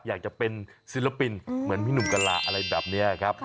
อยากจะเป็นศิลปินเหมือนพี่หนุ่มกะลาอะไรแบบนี้ครับ